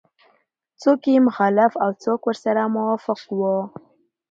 څوک یې مخالف او څوک ورسره موافق وو.